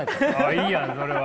いいやんそれは。